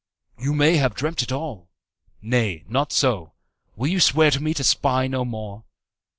"You may have dreamt it all." "Nay, not so. Will you swear to me to spy no more?"